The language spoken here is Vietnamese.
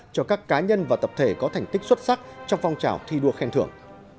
cho các cá nhân và tập thể có thành tích xuất sắc trong phong trào thi đua khen thưởng